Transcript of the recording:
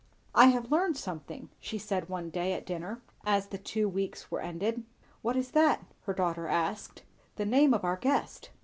"I have learned something," she said one day at dinner, as the two weeks were ended. "What is that?" her husband asked. "The name of our guest."